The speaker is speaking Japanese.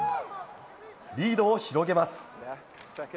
リードを広げます。